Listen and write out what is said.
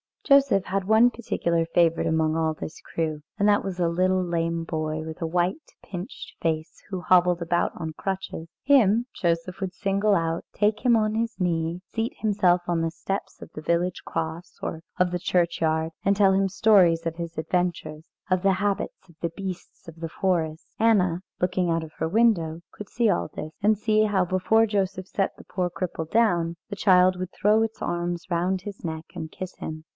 Joseph had one particular favourite among all this crew, and that was a little lame boy with a white, pinched face, who hobbled about on crutches. Him Joseph would single out, take him on his knee, seat himself on the steps of the village cross or of the churchyard, and tell him stories of his adventures, of the habits of the beasts of the forest. Anna, looking out of her window, could see all this; and see how before Joseph set the poor cripple down, the child would throw its arms round his neck and kiss him.